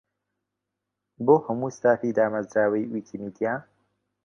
بۆ: هەموو ستافی دامەزراوەی ویکیمیدیا.